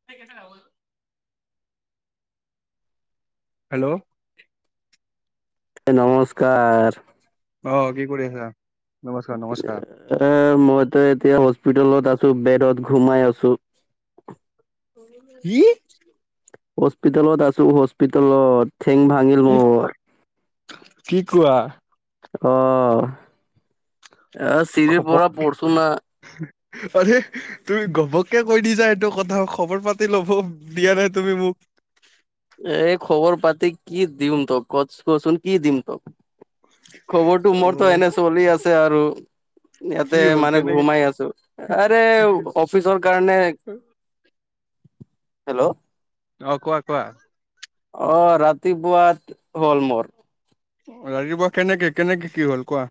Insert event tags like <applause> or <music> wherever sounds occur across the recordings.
<inaudible> Hello নমস্কাৰ। অ', কি কৰি আছা? নমস্কাৰ নমস্কাৰ এ মইতো এতিয়া হস্পিতালত আছোঁ, বেডত ঘুমাই আছোঁ। কি? হস্পিতালত আছোঁ, হস্পিতালত। থেং ভা ঙিল কি মোৰ, কি কোৱা অ' এ চিৰিৰ ঘপক পৰা পৰছো না আৰে তুমি ঘপককে কৈ দিছা এইটো কথা, খবৰ পাতি লব, দিয়া নাই তুমি মোক এই খবৰ পাতি কি দিম তোক, ক কচোন কি দিম তোক? খবৰটো অ মোৰতো এনে চলি আছে আৰু কি ইয়াতে হ'ল মানে কেনেকে ঘুমাই আছোঁ, আৰে অফ ফিচৰ কাৰণে, হেল্লো অ, কোৱা, কোৱা অ', ৰাতিপুৱাত হ'ল মোৰ। ৰাতিপুৱা কেনেকে, কেনেকে কি হ'ল কোৱা।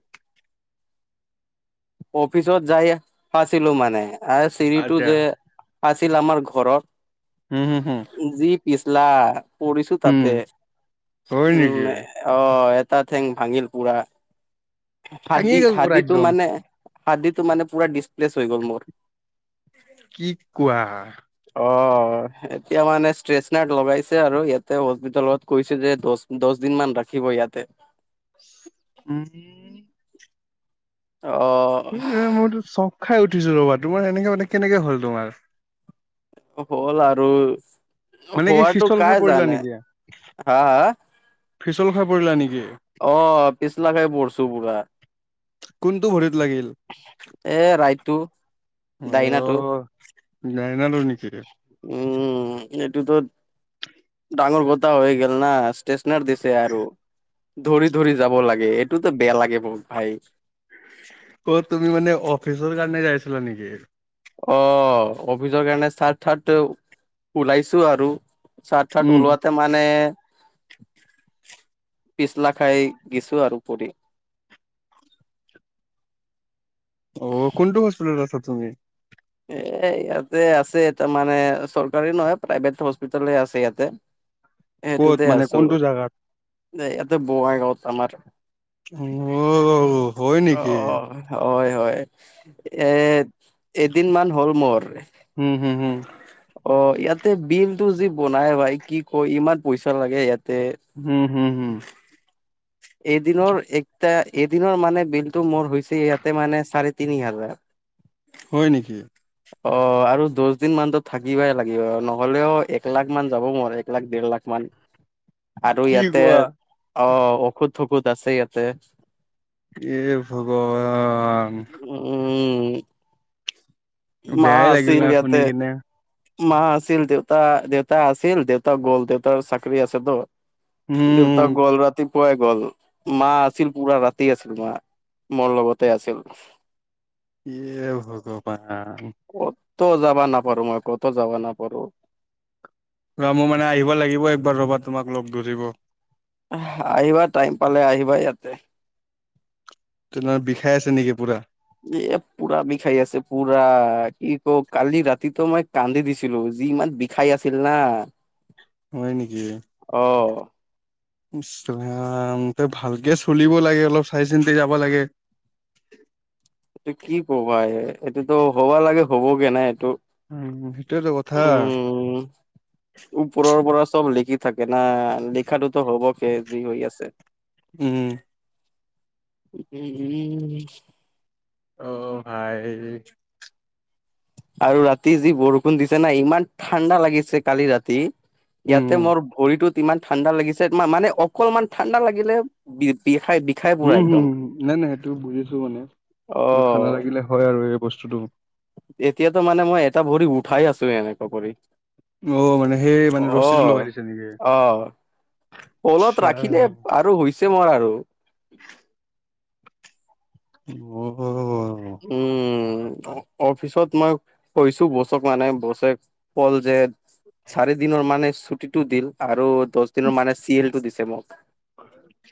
অফিচত যায় আছিলোঁ মানে, আৰ চিৰিটো আচ্ছা যে আছিল আমাৰ ঘৰত হুম, হুম, হুম যি পিছলা, পৰিছো উম তাতে। হয় নেকি উম অ', এটা ঠেং ভাঙিল পুৰা, ভাঙি হাৰ্দি গ'ল পুৰা হাৰ্দিটো একদম মানে- হাদ্দিটো মানে পুৰা ডিচপ্লেছ হৈ গ'ল মোৰ। কি কোৱা। অ', এতিয়া মানে ষ্ট্ৰেচনেট লগাইছে আৰু ইয়াতে হস্পিতালত কৈছে যে দচ দশদিন মান ৰাখিব ইয়াতে। উম্। অ', এ মইতো চক খাই উঠিছো ৰ'বা, তোমাৰ এনেকে মানে কেনেকে হ'ল তোমাৰ। হ'ল আৰু মানে কি হোৱাটো ফিচল খাই কাই পৰিলা জানে, হা হা। পিচল খাই পৰিলা নেকি? অ', পিচল খাই পৰিছোঁ পুৰা। কোনটো ভৰিত লাগিল। এ ৰাইটটো হয় ডাইনাটো অ'। দাইনাটো নেকি? উম্, এইটোতোত- ডাঙৰ কথা হৈ গ'ল না, ষ্টেশনাচ‌ দিছে আৰু। ধৰি ধৰি যাব লাগে, এইটোতো বেয়া লাগে বহুত ভাই। অ', তুমি মানে অফিচৰ কাৰণে যাই আছিলা নেকি? অ', অফিচৰ কাৰণে চাৰ্ট থাৰ্ট ওলাইছোঁ আৰু। চাৰ্ট থাৰ্ট উম ওলোৱাত ত মানে, পিচলা খাই গৈছোঁ আৰু পৰি। অ', কোনটো হস্পিটেলত আছা তুমি? এ ইয়াতে আছে তাৰ মানে চৰকাৰী নহয়, প্ৰাইভেট হস্পিতেলে আছে ইয়াতে। ক'ত মানে কোনটো জেগাত? তে ইয়াতে বঙাই গাঁৱত আমাৰ‌। অ'। হয় নেকি? অ', হয় হয়। এ এদিন মান হ'ল মোৰ। হুম হুম হুম। অ', ইয়াতে বিল টো যি বনাই ভাই। কি কয় ইমান পইচা লাগে ইয়াতে। উম্, হুম হুম। এদিনৰ একটা, এদিনৰ মানে বিলটো মোৰ হৈছে ইয়াতে মানে চাৰে তিনি হাজাৰ। হয় নেকি? অ', আৰু দহ দিন মানতো থাকিবই লাগিব, নহ'লেও এক লাখ মানটো যাব মোৰে। এক লাখ, ডেৰ লাখ মান। <inaudible> আৰু ইয়াতে, কোৱা? অ'ঔষধ চৌষধ আছে ইয়াতে। এ ভগৱান। উম্। মা বেয়াই লাগিল আছিল না শুনি ইয়াতে। কিনে। মা আছিল, দেউতা, দেউতা আছিল। দেউতা গ'ল, দেউতাৰ চাকৰি আছেতো। দেউতাক উম গ'ল ৰাতি পুৱাই গ'ল, মা আছিল পুৰা ৰাতি আছিল মা। মোৰ লগতে আছিল। ইয়ে ভগৱান। ক'তো যাব নাপাৰো মই, ক'তো যাব নাপাৰো। ৰ মোৰ মানে আহিব লাগিব, একবাৰ ৰ'বা তোমাক লগ ধৰিব। আহিবা, টাইম পালে আহিবা ইয়াতে। তোমাৰ বিষাই আছে নেকি পুৰা? এ পুৰাবিষাই আছে পুৰা কি ক কালি ৰাতিতো মই কান্দি দিছিলো যি ইমান বিষাই আছিল না। হয় নেকি। অ'। ইছ ৰাম তই ভালকে চলিব লাগে অলপ চাই চিন্তি যাব লাগে। এইটো কি কবা এই এইটোতো হ'বা লাগে হবগে নাই এইটো। উম সেইটোৱেটো কথা। উম ওপৰৰ পৰা চব লিখি থাকে না লিখাটোতো হ'ব কে হৈ আছে। উম। উম উম উ। অ ভাই। আৰু ৰাতি যি বৰষুণ দিছে না ইমান ঠাণ্ডা লাগিছে কালি ৰাতি। ইয়াতে উম মোৰ ভৰিতোত ইমান ঠাণ্ডা লাগিছে মা-মানে অকমান ঠাণ্ডা লাগিলে বি-বিষাই। উম হুম নাই নাই সেইটো বুজিছো মানে, অ ঠাণ্ডা লাগিলে হয় আৰু এই বস্তুটো। এতিয়াতো মানে মই এটা ভৰি উঠাই আছো এনেকা কৰি। অ' মানে সেই অ মানে ৰছি টো লগাই দিছে নেকি? অ'। তলত আচ্ছা। ৰাখিলে আৰু হৈছে মোৰ আৰু। <inaudible> অ'। উম অ-অফিচত মই কৈছো বছক মানে বছে কলজেদ চাৰি দিনৰ মানে ছুটিটো দিল আৰু দচ দিনৰ মানে চি এলটো দিছে মোক।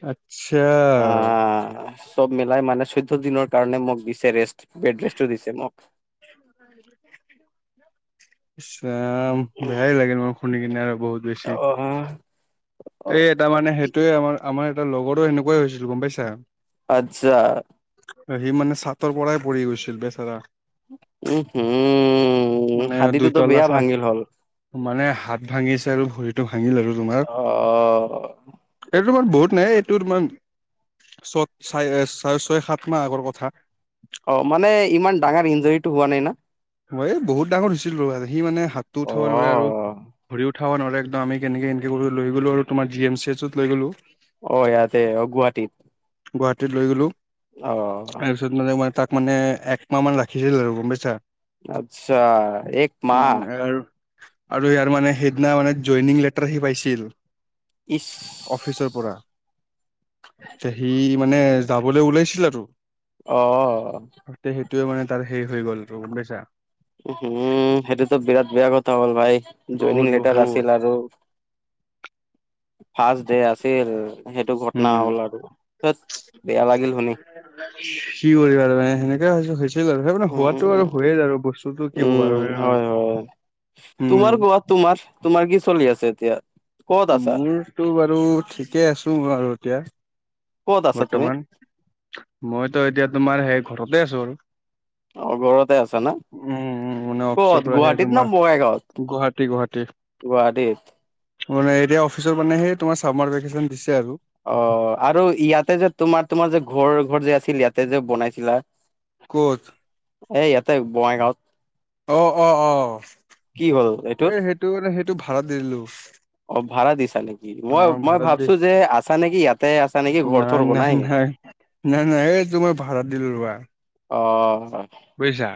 আচ্ছা। আ। চব মিলাই মানে চৈধ্য দিনৰ কাৰণে মোক দিছে ৰেষ্ট বেড ৰেষ্টো দিছে মোক। ইছ ৰাম। বেয়াই লাগে মোৰ খুন্দি কিনে আৰু বহুত বেছি। অহ। অ এই এটা মানে সেইটোৱে আমাৰ আমাৰ এটা লগৰো সেনেকুৱাই হৈছিল গম পাইছা। আচ্ছা। সি মানে চাটৰ পৰাই পঢ়ি গৈছিল বেচেৰা। উম উম, মানে হাদীটোতো দুইতলা বেয়া চাত ভাঙিল হ'ল। মানে হাত ভাঙিছে আৰু ভৰিটো ভাঙিল আৰু তোমাৰ। অ'। এইটো ইমান বহুত নাই এইটো ইমান চত চাই ছ ছয় সাত মাহ আগৰ কথা। অ' মানে ইমান ডাঙৰ ইঞ্জৰিটো হোৱা নাই না। মই এই বহুত ডাঙৰ হৈছিলোঁ ৰ সি মানে হাতটো অ উঠাব নোৱাৰে আৰু ভৰিত থাব নৰে একদম কেনেকে কেনেকৈ কৰি লৈ গলোঁ আৰু তমাৰ জি এম চি এছত লৈ গলোঁ। অ' ইয়াতে অ' গুৱাহাটীত। গুৱাহাটীত লৈ গ'লোঁ। অ'। মানে ম তাক মানে একমাহ মান ৰাখিছিল আৰু গম পাইছা। আচ্ছা এক মাহ। উম আৰু আৰু ইয়াৰ মানে সেইদিনা মানে জইনিং লেটাৰ আহি পাইছিল। ইছ। অফিচৰ পৰা। সি মানে যাবলৈ ওলাইছিল আৰু। অ। ত সেইটোৱে মানে তাৰ হেৰি হৈ গ'ল এইটো গম পাইছা। উম হুম সেইটোতো বিৰাট বেয়া কথা হ'ল ভাই, জইনিং বহুত লেটাৰ বহুত আছিল আৰু। ফাৰ্ষ্ট ডে আছিল সেইটো ঘটনা উম হ'ল আৰু। ধেৎ বেয়া কি লাগিল শুনি কৰিবা আৰু এ সেনেকে হৈছে হৈছ হৈ গল, হৈ গল মানে উম উম হোৱাটো আৰু উম হয়ে আৰু বস্তুতটো কি কবা আৰু উম হয়নে নহয় হয় হয় তোমাৰ উম। কোৱা তোমাৰ তোমাৰ কি চলি আছে এতিয়া? ক'ত আছা মোৰতো বাৰু ঠিকেই আছো আৰু এতিয়া। ক'ত আছা তুমি বৰ্তমান, মইতো এতিয়া তোমাৰ সেই ঘৰতে আছো আৰু। অ ঘৰতে আছা না। উম, উম, মানে অফিচৰ ক'ত পৰা সেই গুৱাহাটীত না তোমাৰ বঙাইগাঁৱত? গুৱাহাটী গুৱাহাটী গুৱাহাটীত মানে এতিয়া অফিচৰ মানে সে তোমাৰ চামাৰ ভেকেচন দিছে আৰু। অ আৰু ইয়াতে যে তোমাৰ তোমাৰ যে ঘৰ ঘৰ যে আছিল ইয়াতে যে বনাইছিলা। ক'ত? এ ইয়াতে বঙাইগাঁৱত। অ অ অ, কি হ'ল এ এইটোৰ সেইটো মানে সেইটো ভাড়াত দি দিলো। অ ভাড়া দিছা নেকি, মই অ' মই ভাড়াত দি ভাবছো যে আছা নেকি ইয়াতে আছা নেকি ঘৰ নাই, থৰ নাই, বনাই। নাই নাই নাই এই তোমাৰ মই ভাড়াত দিলো ৰোৱা। অ। বুজিছা।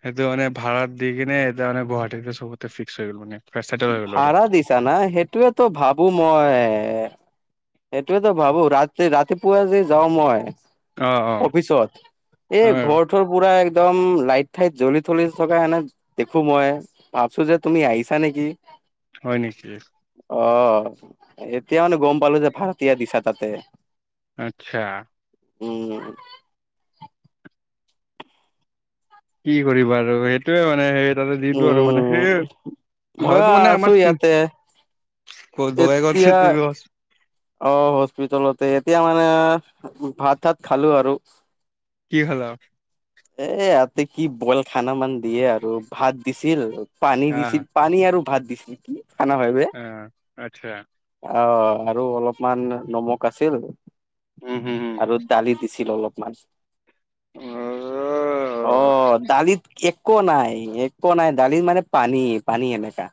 সেইটো মানে ভাড়া দি কেনে এতিয়া মান গুৱাহাটীত চবতে ফিক্স হৈ গলো মানে। চেটেল হৈ গ'লো আৰু ভাড়া দিছা না, সেইটোয়ে তো ভাবো মই। সেইটোয়ে তো ভাবো ৰাতি ৰাতিপুৱা যে যাওঁ মই অ অ অফিচত অ এই ঘৰটোৰ পুৰা একদম লাইট ফাইত জ্বলি থলি থকা এনে দেখো মই। ভাবছো যে তুমি আহিছা নেকি? হয় নেকি? অঁহ, এতিয়া মানে গম পালো যে ভাৰতীয়া দিছা তাতে। আচ্ছা। উম। কি কৰিবা আৰু সেইটোৱে মানে সেই তাতে দিলো আৰু মানে, ‌‌ উম সেই মইয়ো ভাড়াটো মানে আছো আমাৰ ইয়াতে এতিয়া <inaudible> অ হস্পিতালতে, এতিয়া মানে ভাত চাত খালো আৰু। কি খালা? এ ইয়াতে কি বইল খানা মান দিয়ে আৰু ভাত দিছিল, পানী আহ দিছিল। পানী আৰু ভাত দিছে, কি খানা হয় বে? আহ আচ্ছা অ আৰু অলপমান নমখ আছিল। উম হম হম আৰু দালি দিছিল অলপমান। অ অ দালিত একো নাই একো নাই দালিত মানে পানী পানী এনেকা।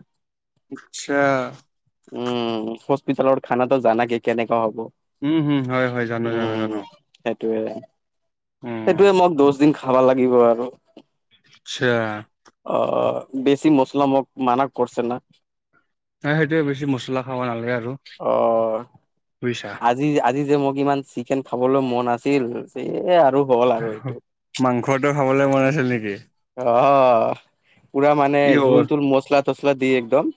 উঠচ্ছা। উম', হস্পিতালৰ খানাটো জানাকে কেনেকুৱা হ'ব? উম হম হয় হয় জানো জানো জানো উম', সেইটো উম <inaudible> দুদিন খাব লাগিব আৰু। আচ্ছা। আহ, বেছি মছলা মোক মানা কৰছে না। নাই সেইটোৱে বেছি মছলা খাব নালাগে আৰু অ বুইছা। আজি, আজি যে মোক ইমান চিকেন খাবলৈ মন আছিল, <unintelligible> আৰু হ'ল আৰু এইটো মাংসটো খাবলে মোন আছিল নেকি? অ', পুৰা মানে কি খবৰ? জুল তুল মচলা-তছলা দিয় একদম।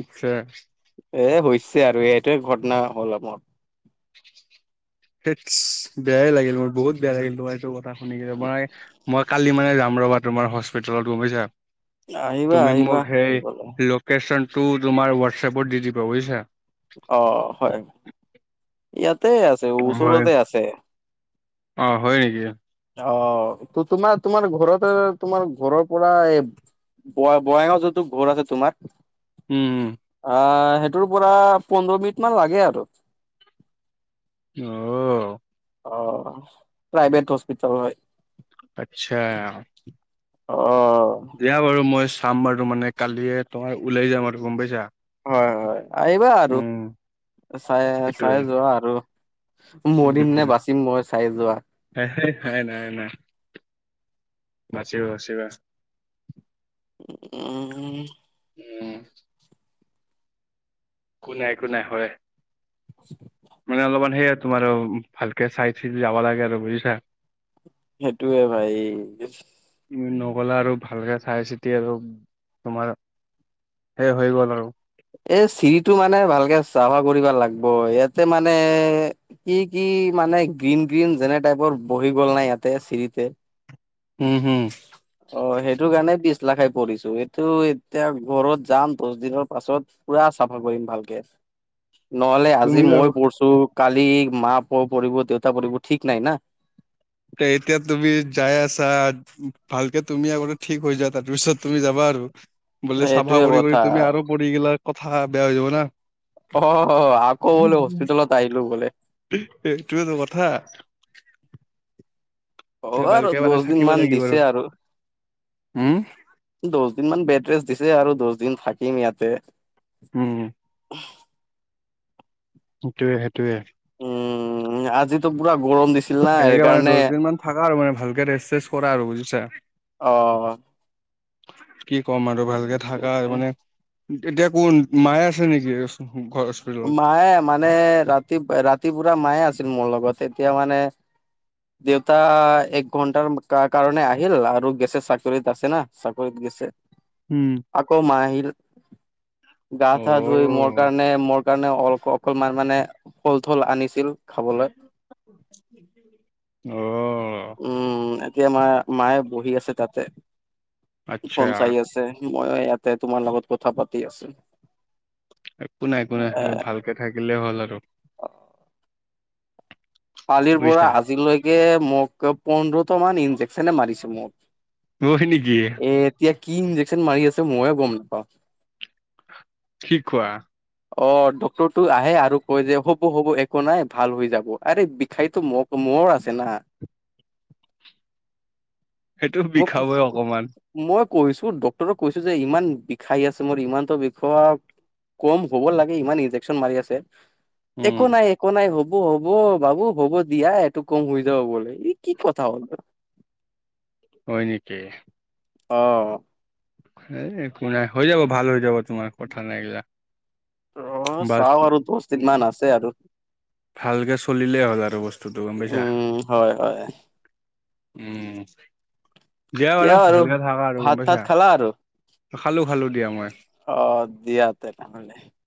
আচ্ছা। এ, হৈছে আৰু এইটোৱে ঘটনা হ'ল আও মোৰ। তেছ বেয়াই লাগিল মোৰ বহুত বেয়া লাগিল তোম এই কথা শুনি মই কালি মানে যাম ৰ'বা তোমাৰ হস্পিতালত গোম পাইছা, আহিবা তুমি আহিবা মোক হেই আহিবলৈ ল লোকেশ্যনটো তোমাৰ হোৱাটছএপত দি দিব বুজিছা। অ', হয় ইয়াতে আছ তো, মই ওচৰতে আছে। অ' হয় নেকি? অ', ত- তোমাৰ তোমাৰ ঘৰতে তোমাৰ ঘৰৰ পৰা এ তোমাৰ বঙইগাঁও যোনটো ঘৰ আছে তোমাৰ। উম', উম'। আ', সেইটোৰ পৰা পোন্ধৰ মিনিট মান লাগে আৰু। অ'। অ', প্ৰাইভেট হস্পিটল হয় আচ্ছা। অ'। দিয়া বাৰু মই চাম বাৰু, মানে কালিয়ে <unintelligible> ওলাই যাম আৰু গম পাইছা। হয়, হয়, আহিবা আৰু। উম, চাই, চাই সেইটোয়ে যোৱা আৰু মৰিম নে বাচিম মই চাই যোৱা। হেয়, হেয় নাই নাই। বাছিবা, বাছিবা। উম'। উম'। একো নাই, একো নাই হয়, মানে অলপমান সেইয়া তোমাৰো ভালকে চাই চি যাব লাগে আৰু বুজিছা। সেইটোয়ে ভাই নগলো আৰু ভালকে চাই চিতি আৰু তোমাৰ সেই হৈ গ'ল আৰু এই চিৰিটো মানে ভালকে চাফা কৰিব লাগব, ইয়াতে মানে কি কি মানে গ্ৰীণ গ্ৰীণ যেনে টাইপৰ বহি গ'ল নাই ন ইয়াতে, চিৰিতে উম', হুম অ', সেইটো কাৰণে বিশ লাখে ক, এইটো এতিয়া ঘৰত যাম দহ দিনৰ পাছত পুৰা চাফা কৰিম ভালকে নহ'লে আজি তুমি যাব মই পৰছো, কালি মা পৰব, দেউতা পৰব ঠিক নাই না তে এতিয়া তুমি যাই আছা ভালকে তুমি আগতে ঠিক হৈ যা তাৰপিছত তুমি যাবা আৰু বুলি চাফা এইটোয়ে কৰি কৰি কথা তুমি আৰু পঢ়ি গেলা কথা বেয়া হৈ যাব না অ', আকৌ বোলে হস্পিটলত আহিলো বোলে এ সেইটোৱেইটো কথা অ', আৰু ভালকে মানে দহ দিন থাকিব মান লাগিব দিছে আৰু উম, দহ দিন মান বেড ৰেষ্ট দিছে আৰু দহ দিন থাকিম ইয়াতে উম, সেইটোয়ে সেইটোয়ে উম আজিতো পুৰা গৰম দিছে সেনেকে মানে দহ দিন মান থাকা আৰু মানে ভালকে ৰেষ্ট চেষ্ট কৰা আৰু বুজিছা অ কি ক'ম আৰু ভালকে থাকা মানে এতিয়া কোন মায়ে আছে নেকি ঘ মায়ে মানে ৰাতি ৰাতিপুৰা মায়ে আছিল মোৰ লগত এতিয়া মানে দেউতা এক ঘন্টাৰ কাৰ কাৰণে আহিল আৰু গেছে চাকৰিত আছে না চাকৰিত গেছে উম, আকৌ মা আহিল গা ছা ধুই মোৰ অ', কাৰণে মোৰ কাৰণে অল অকমান মানে ফল চল আনিছিল খাবলৈ। অ', উম এতিয়া মা মায়ে বহি আছে তাতে আচ্ছা। ফোন চাই আছে মই ইয়াতে তোমাৰ লগত কথা পাতি আছো একো নাই একো নাই এ ভালকে থাকিলে হ'ল আৰু কালিৰ পৰা বুজিছা। আজিলৈকে মোক পোন্ধৰটা মান ইনজেকচনে মাৰিছে মোক উৰহি নেকি এ এতিয়া কি ইন্জেকশ্যন মাৰি আছে মইয়ে গম নাপাওঁ। কি খোৱা অ', ডক্টৰ টো আহে আৰু কয় যে হ'ব হ'ব একো নাই ভাল হৈ যাব আৰে বিষাইতো মোক মোৰ আছে না সেইটো মোক বিষাবই অকমান মই কৈছো ডক্টৰক কৈছো যে ইমান বিষাই আছে মোৰ ইমানতো বিষ কম হ'ব লাগে ইমান ইনজেকচন মাৰি আছে উম, একো নাই একো নাই হ'ব হব বাবু হ'ব দিয়া এইটো কম হৈ যাব বলে ই কি কথা হ'ল হয় নেকি অ', এই কো নাই হৈ যাব ভাল হৈ যাব তোমাৰ কথা নাই এইগিলা ৰ বাচ চাও আৰু দছ উম, দিনমান আছে আৰু ভালকে চলিলেই হ'ল আৰু বস্তুটো গম পাইছ উম হয় হয়। উম দিয়া দিয়া বাৰু আৰু ভালকে থাকা আৰু ভাত গম তাত পাইছা খালা আৰু খালো খালো দিয়া মই অ', দিয়া তেনেহ'লে